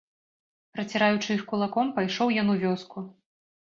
Праціраючы іх кулаком, пайшоў ён у вёску.